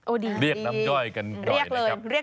โอ้ดีดีเรียกน้ำจ้อยกันก่อนเลยนะครับ